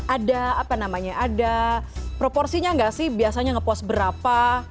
ada apa namanya ada proporsinya nggak sih biasanya ngepost berapa